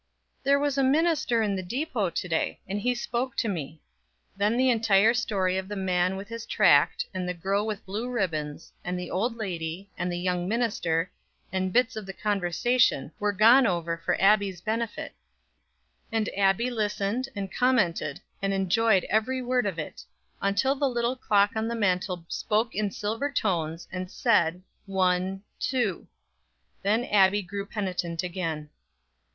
"There was a minister in the depot to day, and he spoke to me;" then the entire story of the man with his tract, and the girl with blue ribbons, and the old lady, and the young minister, and bits of the conversation, were gone over for Abbie's benefit. And Abbie listened, and commented, and enjoyed every word of it, until the little clock on the mantel spoke in silver tones, and said, one, two. Then Abbie grew penitent again.